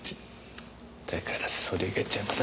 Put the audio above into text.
だからそれが邪魔だ